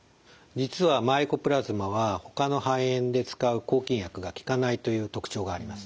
実はマイコプラズマはほかの肺炎で使う抗菌薬が効かないという特徴があります。